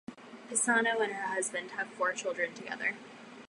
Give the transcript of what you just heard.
Pisano and her husband have four children together.